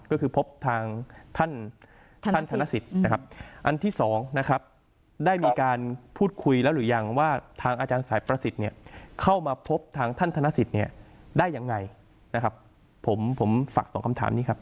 ก็คือพบทางท่านท่านธนสิทธิ์นะครับอันที่สองนะครับได้มีการพูดคุยแล้วหรือยังว่าทางอาจารย์สายประสิทธิ์เนี่ยเข้ามาพบทางท่านธนสิทธิ์เนี่ยได้ยังไงนะครับผมผมฝากสองคำถามนี้ครับ